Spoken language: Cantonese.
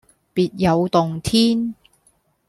別有洞天